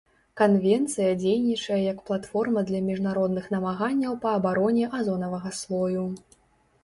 Канвенцыя дзейнічае як платформа для міжнародных намаганняў па абароне азонавага слою.